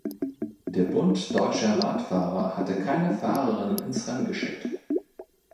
Der Bund Deutscher Radfahrer hatte keine Fahrerinnen ins Rennen geschickt.